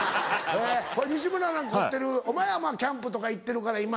西村なんか凝ってるお前はキャンプとか行ってるから今。